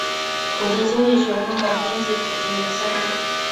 土地经济学中的边际土地有三种